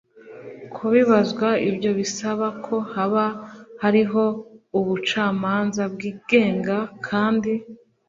kubibazwa Ibyo bisaba ko haba hariho ubucamanza bwigenga kandi